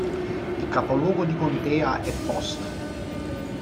Il capoluogo di contea è Post.